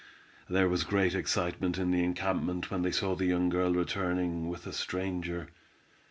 There was great excitement in the encampment when they saw the young girl returning with a stranger.